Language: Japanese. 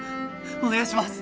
お願いします！